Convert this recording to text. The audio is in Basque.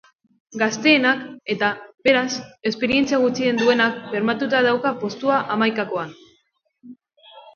Gazteenak, eta, beraz, esperientzia gutxien duenak bermatuta dauka postua hamaikakoan.